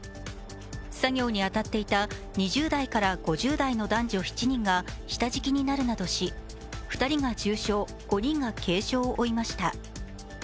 作業に当たっていた２０代から５０代の男女７人が下敷きになるなどし、２人が重傷、５人が軽傷を負いました。